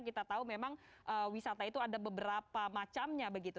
kita tahu memang wisata itu ada beberapa macamnya begitu